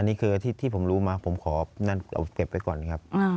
นี่คือที่ผมรู้มาผมขอนั่นเราเก็บไว้ก่อนครับ